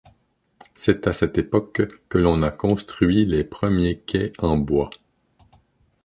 C'est à cette époque que l'on a construit les premiers quais en bois.